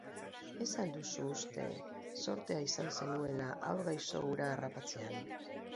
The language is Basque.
Ez al duzu uste zortea izan zenuela haur gaixo hura harrapatzean?